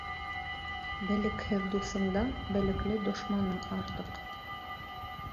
Белекһеҙ дуҫыңдан белекле дошманың артыҡ.